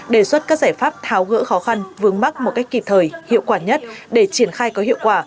đề xuất các giải pháp tháo gỡ khó khăn vướng mắc một cách kịp thời hiệu quả nhất để triển khai có hiệu quả